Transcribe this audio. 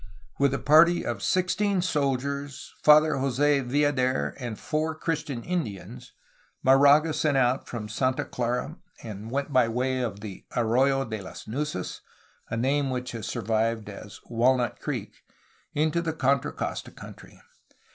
With a party of sixteen soldiers, Father Jos6 Viader, and four Christian Indians, Moraga set out from Santa Clara, and went by way of the "Arroyo de las Nueces' ' (a name which has survived as "Walnut Creek'') into Contra Costa County.